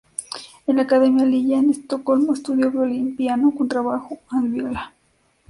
En la Academia Lilla en Estocolmo estudió violín, piano, contrabajo and viola.